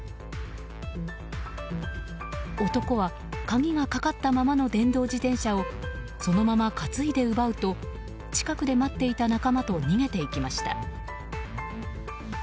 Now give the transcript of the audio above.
男は鍵がかかったままの電動自転車をそのまま担いで奪うと近くで待っていた仲間と逃げていきました。